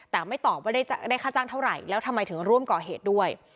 แต่ไม่ตอบว่าได้ค่าจ้างเท่าไหร่แล้วทำไมถึงร่วมก่อเหตุด้วย